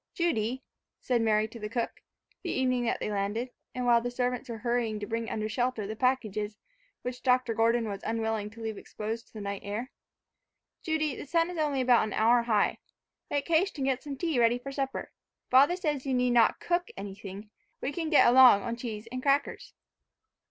"Judy," said Mary to the cook, the evening that they landed, and while the servants were hurrying to bring under shelter the packages which Dr. Gordon was unwilling to leave exposed to the night air, "Judy, the sun is only about an hour high. Make haste and get some tea ready for supper. Father says you need not cook anything, we can get along on cheese and crackers."